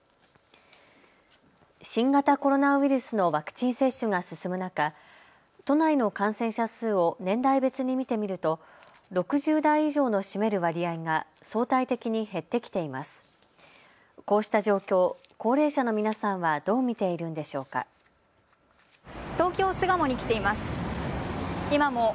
新型コロナウイルスのワクチン接種が進む中、都内の感染者数を年代別に見てみると６０代以上の占める割合が相対的に減ってきています。